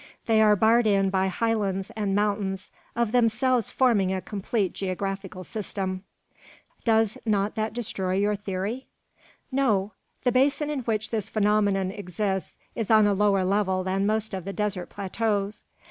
They are barred in by highlands and mountains, of themselves forming a complete geographical system." "Does not that destroy your theory?" "No. The basin in which this phenomenon exists is on a lower level than most of the desert plateaux.